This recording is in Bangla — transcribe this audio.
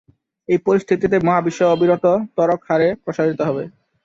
এই পরিস্থিতিতে মহাবিশ্ব অবিরত ত্বরক হারে প্রসারিত হবে।